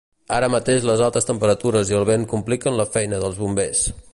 Ara mateix les altes temperatures i el vent compliquen la feina dels bombers.